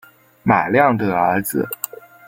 马亮的儿子